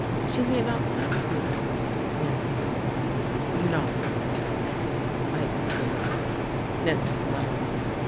"She may not like me," Nancy replied. "Nonsense!" I exclaimed. Nancy smiled.